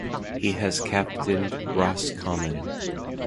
He has captained Roscommon.